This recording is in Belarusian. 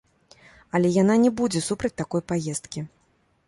Але яна не будзе супраць такой паездкі.